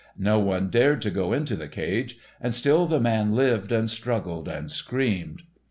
No one dared to go into the cage, and still the man lived and struggled and screamed.